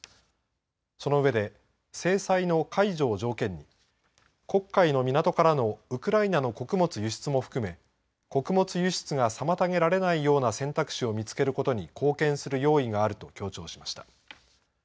その上で制裁の解除を条件に黒海の港からのウクライナの穀物輸出も含め穀物輸出が妨げられないような選択肢を見つけることに貢献する用意があると強調しました。